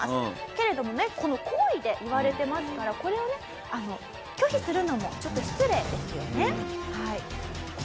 けれどもね好意で言われてますからこれをね拒否するのもちょっと失礼ですよね。